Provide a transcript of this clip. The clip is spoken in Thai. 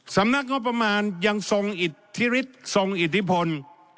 สำนักงบประมาณยังทรงอิทธิพล